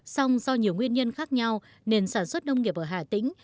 song do nhiều nguyên nhân khác nhau nền sản xuất nông nghiệp ở hà tĩnh